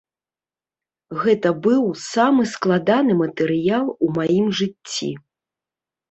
Гэта быў самы складаны матэрыял у маім жыцці.